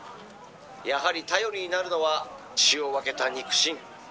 「やはり頼りになるのは血を分けた肉親。